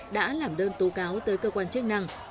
đã làm đơn tố cáo tới cơ quan chức năng